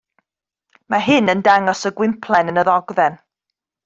Mae hyn yn dangos y gwymplen yn y ddogfen.